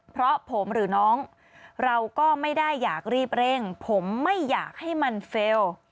เพราะผมหรือน้องเราก็ไม่ได้อยากรีบเร่งผมไม่อยากให้มันเฟลล์